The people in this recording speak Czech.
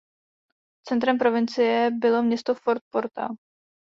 Centrem provincie bylo město Fort Portal.